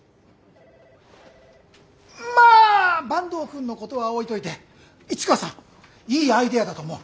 まあ坂東くんのことは置いといて市川さんいいアイデアだと思う。